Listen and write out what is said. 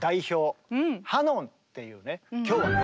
今日はね